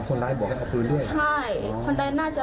ไม่กลิ่นว่าจะเจอกับตัวเอง